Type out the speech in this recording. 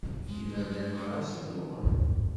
Iberdan merra sufuɣen.